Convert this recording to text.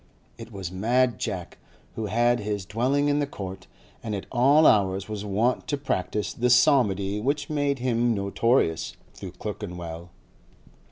It was Mad Jack, who had his dwelling in the Court, and at all hours was wont to practise the psalmody which made him notorious throughout Clerkenwell.